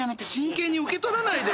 真剣に受け取らないで。